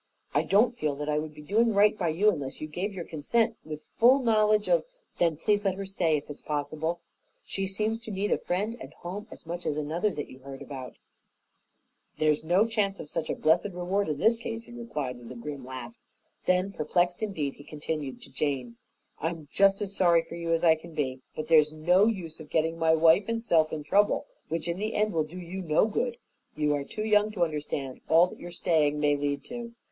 I don't feel that I would be doing right by you unless you gave your consent with full knowledge of " "Then please let her stay, if it is possible. She seems to need a friend and home as much as another that you heard about." "There's no chance of such a blessed reward in this case," he replied, with a grim laugh. Then, perplexed indeed, he continued to Jane, "I'm just as sorry for you as I can be, but there's no use of getting my wife and self in trouble which in the end will do you no good. You are too young to understand all that your staying may lead to."